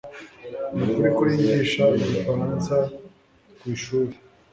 Nukuri ko yigisha igifaransa kwishuri